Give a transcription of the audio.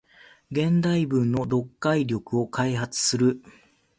現代文の読解力を開発する